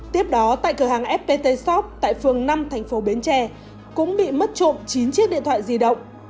tiếp đó tại cửa hàng fpt shop tại phường năm thành phố bến tre cũng bị mất trộm chín chiếc điện thoại di động